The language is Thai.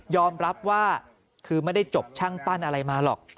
รับว่าคือไม่ได้จบช่างปั้นอะไรมาหรอก